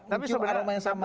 tapi sebenarnya dalam